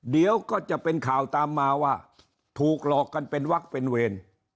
เดี๋ยวก็จะเป็นข่าวตามมาว่าถูกหลอกกันเป็นวักเป็นเวร